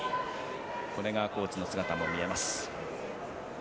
コーチの姿も見えます。